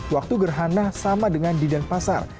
waktu gerhana sama dengan di denpasar